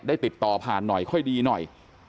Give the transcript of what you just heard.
ติดต่อผ่านหน่อยค่อยดีหน่อย